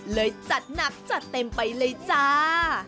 จัดหนักจัดเต็มไปเลยจ้า